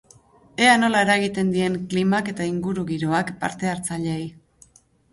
Ea nola eragiten dien klimak eta ingurugiroak partehartzaileei.